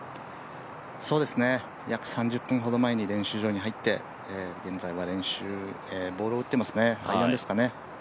約３０分ほど前に練習場に入って、現在はボールを打ってますね、アイアンですかね。